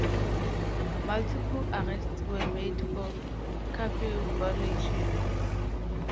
Multiple arrests were made for curfew violations.